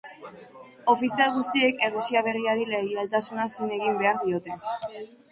Ofizial guztiek Errusia Berriari leialtasuna zin egin behar diote.